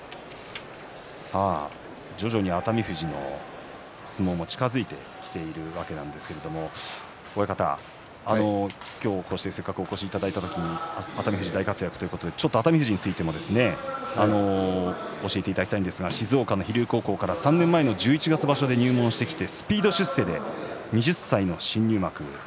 徐々に熱海富士の相撲も近づいてきているわけですが親方、今日こうしてお越しいただいた時に熱海富士が活躍ということで熱海富士に対して教えていただきたいんですが静岡の飛龍高校から３年前の十一月場所で入門してきてスピード出世で２０歳の新入幕。